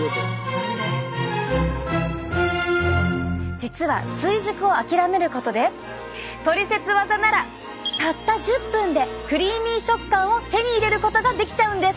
実は追熟を諦めることでトリセツワザならたった１０分でクリーミー食感を手に入れることができちゃうんです。